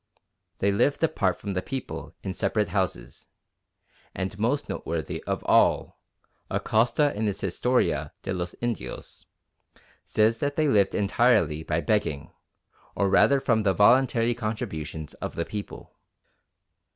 They lived apart from the people in separate houses, and, most noteworthy of all, Acosta in his Historia de los Indios says that they lived entirely by begging, or rather from the voluntary contributions of the people.